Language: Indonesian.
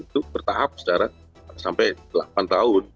itu bertahap secara sampai delapan tahun